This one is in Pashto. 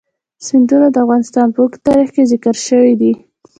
سیندونه د افغانستان په اوږده تاریخ کې ذکر شوی دی.